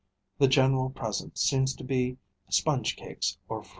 The general present seems to be sponge cakes or fruit.